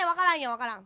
わからん。